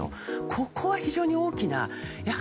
ここは非常に大きな。